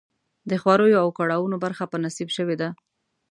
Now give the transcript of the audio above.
د خواریو او کړاوونو برخه په نصیب شوې ده.